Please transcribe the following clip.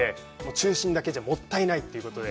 中心だけじゃもったいないということで。